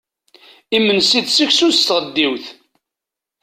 Imensi d seksu s tɣeddiwt.